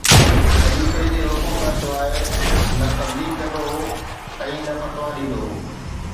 خليفي جي حڪم کان سواءِ نه تبليغ ڪندو هو ۽ نه فتويٰ ڏيندو هو